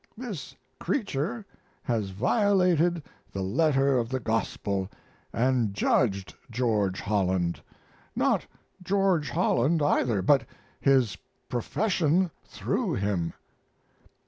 This creature has violated the letter of the Gospel, and judged George Holland not George Holland, either, but his profession through him.